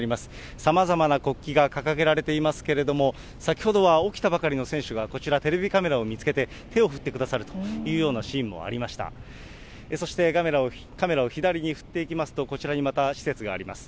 さまざまな国旗が掲げられていますけれども、先ほどは起きたばかりの選手が、こちら、テレビカメラを見つけて手を振ってくださるというようなシーンもありました。